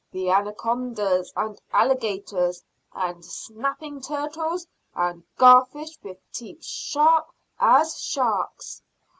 "The anacondas and alligators and snapping turtles and garfish with teeth sharp as sharks?"